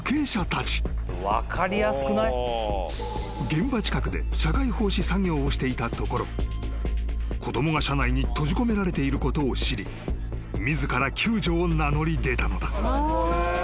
［現場近くで社会奉仕作業をしていたところ子供が車内に閉じ込められていることを知り自ら救助を名乗り出たのだ］